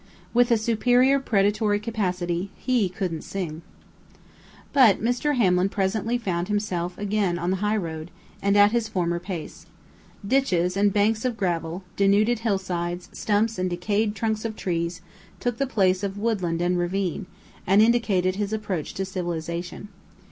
With a superior predatory capacity, HE couldn't sing. But Mr. Hamlin presently found himself again on the highroad, and at his former pace. Ditches and banks of gravel, denuded hillsides, stumps, and decayed trunks of trees, took the place of woodland and ravine, and indicated his approach to civilization.